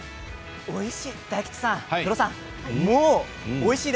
おいしい。